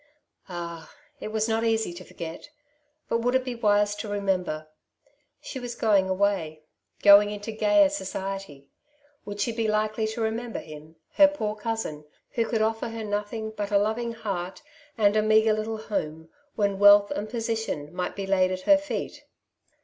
Ah ! it was not easy to forget ; but would it be wise to remember ? She was going away, going into gayer society ; would she be likely to remember him, her poor cousin, who could offer her nothing but a loving heart and a meagre little home, when wealth and position might be laid at her feet